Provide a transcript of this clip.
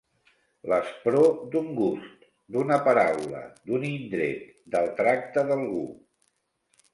L'aspror d'un gust, d'una paraula, d'un indret, del tracte d'algú.